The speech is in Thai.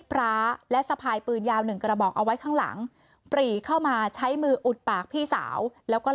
พระและสะพายปืนยาวหนึ่งกระบอกเอาไว้ข้างหลังปรีเข้ามาใช้มืออุดปากพี่สาวแล้วก็